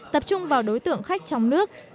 tập trung vào đối tượng khách trong nước